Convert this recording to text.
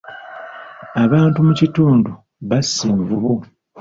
Abantu mu kitundu basse envubu.